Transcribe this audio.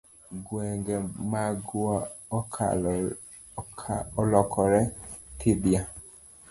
Gwenge magwa olokore thidhya.